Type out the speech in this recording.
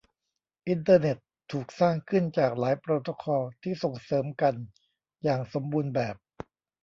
อินเตอร์เน็ตถูกสร้างขึ้นจากหลายโปรโตคอลที่ส่งเสริมกันอย่างสมบูรณ์แบบ